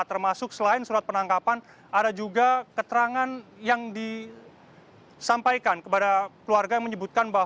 termasuk selain surat penangkapan ada juga keterangan yang disampaikan kepada keluarga yang menyebutkan bahwa